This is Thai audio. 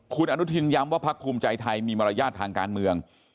คุณอนุทินย้ำว่าพักภูมิใจไทยมีมารยาททางการเมือง